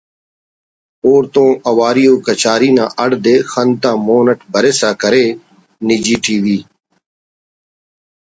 اوڑتون اواری و کچاری نا ہڑدے خن تا مون اٹ برسا کرے نجی ٹی وی